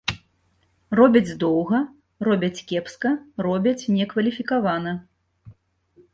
Робяць доўга, робяць кепска, робяць некваліфікавана.